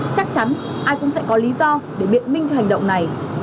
chắc chắn ai cũng sẽ có lý do để biện minh cho hành động này